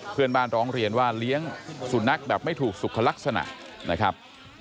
เพื่อนบ้านร้องเรียนว่าเลี้ยงสุนัขแบบไม่ถูกสุขลักษณะนะครับ